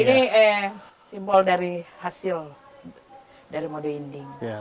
ini simbol dari hasil dari modu inding